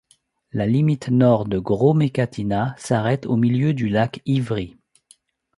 La limite nord de Gros-Mécatina s'arrête au milieu du lac Ivry.